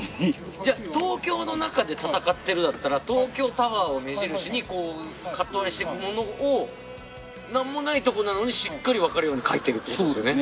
じゃあ「東京の中で戦ってる」だったら東京タワーを目印にこうカット割りしていくものをなんもないとこなのにしっかりわかるように描いてるって事ですよね？